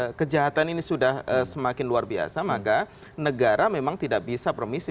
karena kejahatan ini sudah semakin luar biasa maka negara memang tidak bisa promisi